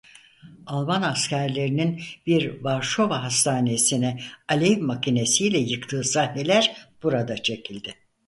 Alman askerlerinin bir Varşova hastanesini alev makinesiyle yıktığı sahneler burada çekildi.